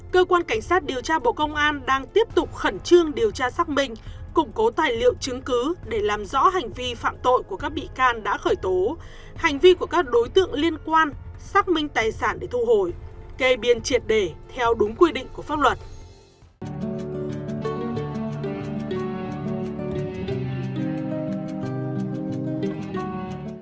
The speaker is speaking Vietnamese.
cơ quan cảnh sát điều tra bộ công an ra quyết định khởi tố bị can lệnh bắt bị can để tạm giam đối với ông nguyễn văn hậu tên thường gọi là hậu pháp chủ tịch hội đồng quản trị công ty cổ phần tập đoàn phúc sơn